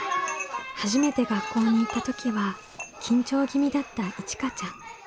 初めて学校に行った時は緊張気味だったいちかちゃん。